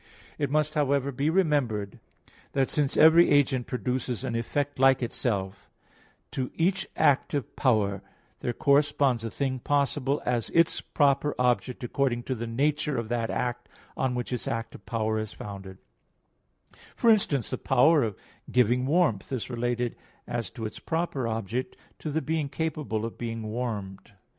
It must, however, be remembered that since every agent produces an effect like itself, to each active power there corresponds a thing possible as its proper object according to the nature of that act on which its active power is founded; for instance, the power of giving warmth is related as to its proper object to the being capable of being warmed.